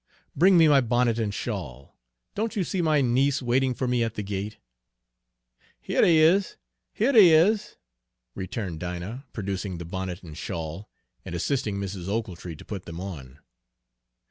Bring me my bonnet and shawl. Don't you see my niece waiting for me at the gate?" "Hyuh dey is, hyuh dey is!" returned Dinah, producing the bonnet and shawl, and assisting Mrs. Ochiltree to put them on.